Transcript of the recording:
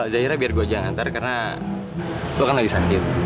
zaira biar gue aja yang nganter karena lo kan lagi sakit